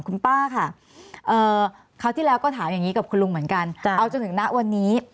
คุณป้าค่ะคราวที่แล้วก็ถามอย่างนี้กับคุณลุงเหมือนกันเอาจนถึงณวันนี้